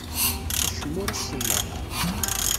Acemma ur as-selleɣ.